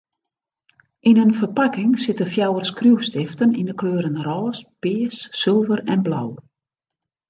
Yn in ferpakking sitte fjouwer skriuwstiften yn 'e kleuren rôs, pears, sulver en blau.